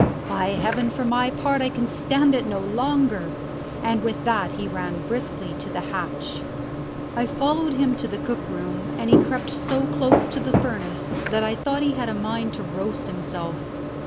By heaven, for my part, I can stand it no longer;" and with that he ran briskly to the hatch. I followed him to the cook room and he crept so close to the furnace that I thought he had a mind to roast himself.